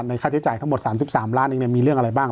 ค่าใช้จ่ายทั้งหมด๓๓ล้านเองมีเรื่องอะไรบ้าง